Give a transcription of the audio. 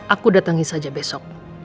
aku datangi saja besok